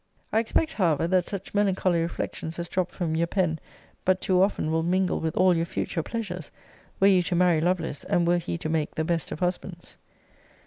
I expect, however, that such melancholy reflections as drop from your pen but too often will mingle with all your future pleasures, were you to marry Lovelace, and were he to make the best of husbands.